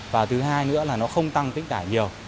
và thứ hai nữa là nó không tăng tính tải nhiều